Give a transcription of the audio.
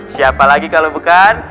siapa lagi kalau bukan